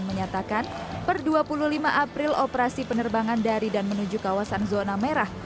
menyatakan per dua puluh lima april operasi penerbangan dari dan menuju kawasan zona merah